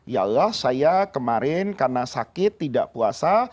ya allah saya kemarin karena sakit tidak puasa